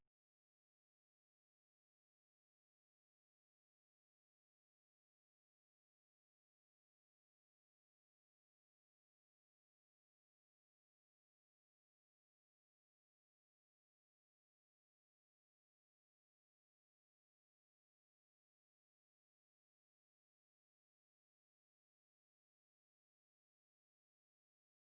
โปรดติดตามต่อไป